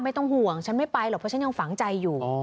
ไม่ต้องห่วงฉันไม่ไปหรอกเพราะฉันยังฝังใจอยู่